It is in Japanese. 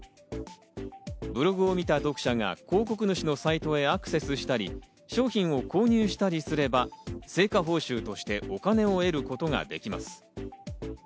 ブログを見た読者が広告主のサイトへアクセスしたり、商品を購入したりすれば成果報酬としてお金を得ることができます。